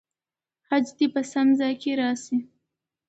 خج دې په سم ځای کې راسي.